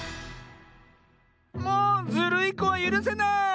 もうズルいこはゆるせない！